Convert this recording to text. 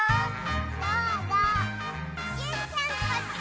どうぞジュンちゃんこっち！